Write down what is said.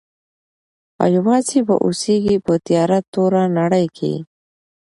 او یوازي به اوسیږي په تیاره توره نړۍ کي.